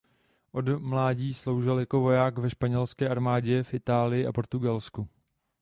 Od mládí sloužil jako voják ve španělské armádě v Itálii a Portugalsku.